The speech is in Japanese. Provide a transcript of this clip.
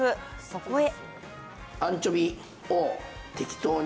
そこへ。